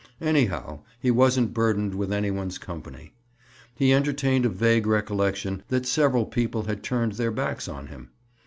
Anyhow he wasn't burdened with any one's company. He entertained a vague recollection that several people had turned their backs on him.